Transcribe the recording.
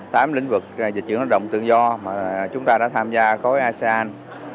tập trung vào tám lĩnh vực dịch vụ hoạt động tự do mà chúng ta đã tham gia khối asean